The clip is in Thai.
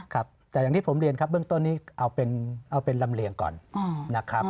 ครับแต่อย่างที่ผมเรียนครับเบื้องต้นนี้เอาเป็นลำเลียงก่อนนะครับ